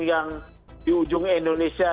yang di ujung indonesia